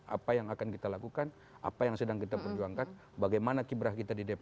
apa yang akan kita lakukan apa yang sedang kita perjuangkan bagaimana kibrah kita di dpr